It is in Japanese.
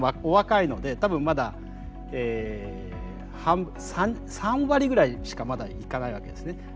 お若いので多分まだえ３割ぐらいしかまだいかないわけですね。